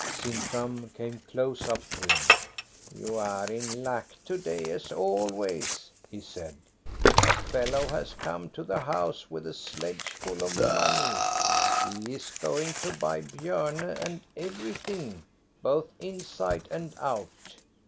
Sintram came close up to him. You are in luck to day as always," he said. " A fellow has come to the house with a sledge full of money. He is going to buy Bjorne and every thing both inside and out.